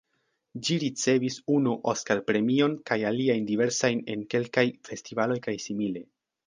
Ĝi ricevis unu Oskar-premion kaj aliajn diversajn en kelkaj festivaloj kaj simile.